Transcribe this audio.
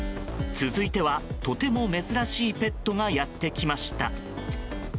続いてはとても珍しいペットがやってきました。